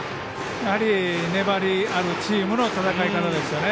やはり、粘りあるチームの戦い方ですよね。